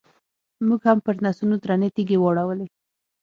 موږ هم پرنسونو درنې تیږې واړولې.